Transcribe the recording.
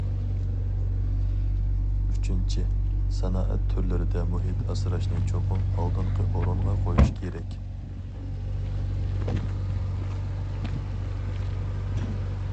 ئۈچىنچى، سانائەت تۈرلىرىدە مۇھىت ئاسراشنى چوقۇم ئالدىنقى ئورۇنغا قويۇش كېرەك.